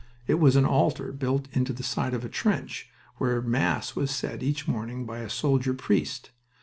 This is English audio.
It was an altar built into the side of the trench, where mass was said each morning by a soldier priest.